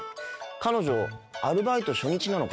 彼女アルバイト初日なのかな。